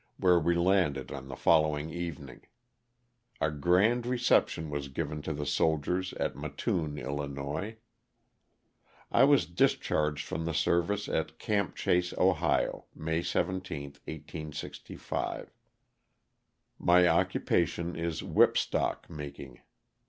where we landed on the following evening. A grand reception was given to the soldiers at Mattoon, 111. I was discharged from the service at '* Camp Chase," Ohio, May 17, 1865. My occupation is whip stock making.